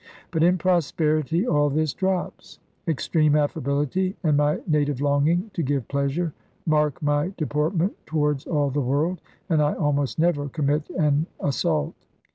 But in prosperity, all this drops; extreme affability, and my native longing to give pleasure, mark my deportment towards all the world; and I almost never commit an assault.